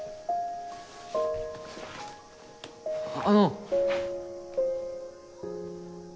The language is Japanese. あの。